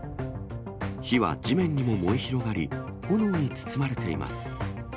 火は地面にも燃え広がり、炎に包まれています。